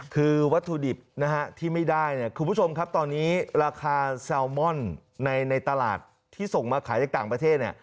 คือวัตถุดิบนะฮะที่ไม่ได้เนี่ยคุณผู้ชมครับตอนนี้ราคาแซลมอนในตลาดที่ส่งมาขายจากต่างประเทศเนี่ย